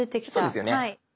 そうですよね。